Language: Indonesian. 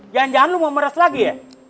jangan jangan lo mau meres lagi ya